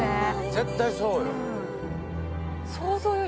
絶対そうよ